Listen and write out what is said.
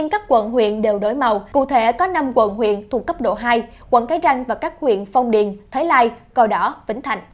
các huyện đều đổi màu cụ thể có năm quận huyện thuộc cấp độ hai quận cái răng và các huyện phong điền thái lai cò đỏ vĩnh thạnh